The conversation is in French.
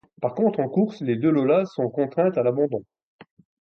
Par contre, en course, les deux Lola sont contraintes à l'abandon.